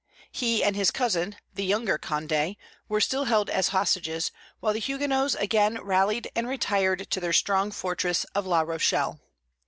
He and his cousin, the younger Condé, were still held as hostages, while the Huguenots again rallied and retired to their strong fortress of La Rochelle.